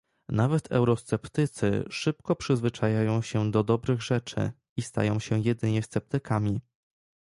Nawet eurosceptycy szybko przyzwyczajają się do dobrych rzeczy i stają się jedynie sceptykami